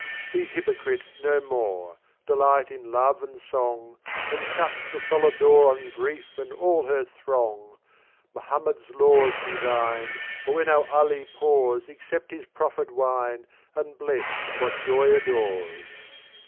eun<$ fttH&tf ^ e hypocrite no more; „ Delight in love and song, v|vC/ And shut the solid door On Grief and all her throng. Mohammed's laws be thine, But when our Ali pours Accept his proffered wine And bless what Joy adores.